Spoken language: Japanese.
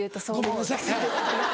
ごめんなさい。